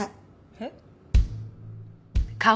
えっ？